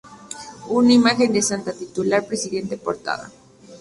Una imagen de la Santa titular preside la portada.